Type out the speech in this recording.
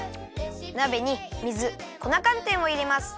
なべに水粉かんてんをいれます。